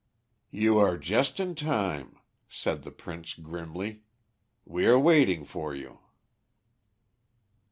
"You are just in time!" said the Prince grimly; "we are waiting for you!"